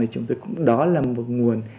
thì chúng tôi cũng đó là một nguồn